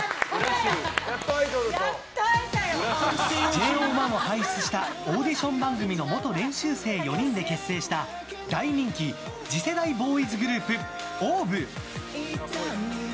ＪＯ１を輩出したオーディション番組の元練習生４人で結成した大人気次世代ボーイズグループＯＷＶ。